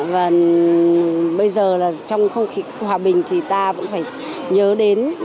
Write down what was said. và bây giờ là trong không khí hòa bình thì ta vẫn phải nhớ đến